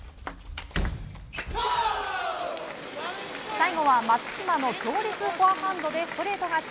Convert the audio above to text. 最後は松島の強烈フォアハンドでストレート勝ち。